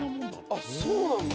あっそうなんだ。